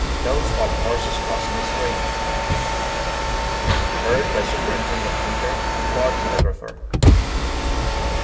Don't swap horses crossing a stream!'" (Heard by Superintendent Tinker, war telegrapher.)